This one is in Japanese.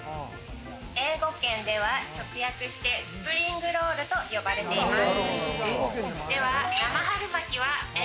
英語圏では、直訳してスプリングロールと呼ばれています。